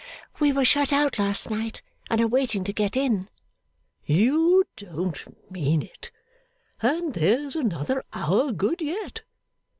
'We were shut out last night, and are waiting to get in.' 'You don't mean it? And there's another hour good yet!